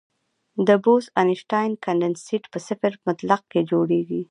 د بوز-اینشټاین کنډنسیټ په صفر مطلق کې جوړېږي.